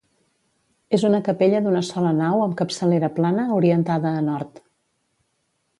És una capella d'una sola nau amb capçalera plana orientada a nord.